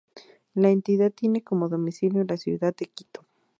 La entidad tiene como domicilio la ciudad de Quito.